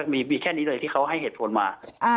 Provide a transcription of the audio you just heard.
มีแค่นี้เลยที่เขาให้เหตุผลมา